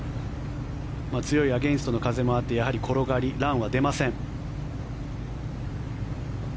強いアゲンストの風もあってやはり転がり、ランは出ません。